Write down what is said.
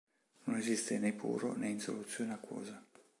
Non esiste né puro né in soluzione acquosa.